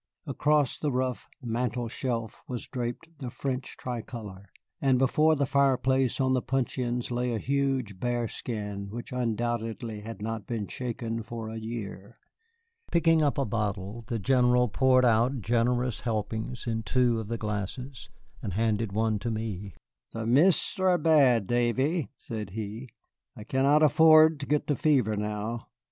Across the rough mantel shelf was draped the French tricolor, and before the fireplace on the puncheons lay a huge bearskin which undoubtedly had not been shaken for a year. Picking up a bottle, the General poured out generous helpings in two of the glasses, and handed one to me. "The mists are bad, Davy," said he; "I I cannot afford to get the fever now.